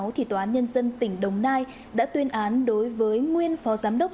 thì tòa án nhân dân tỉnh đồng nai đã tuyên án đối với nguyên phó giám đốc